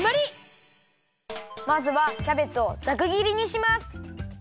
まずはキャベツをざくぎりにします。